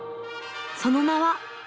その名は。